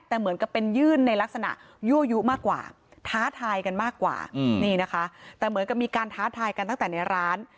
แต่เหมือนกับเป็นยื่นในลักษณะยั่วยุมากกว่าท้าทายกันมากกว่านี่นะคะแต่เหมือนกับมีการท้าทายกันตั้งแต่ในร้าน